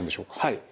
はい。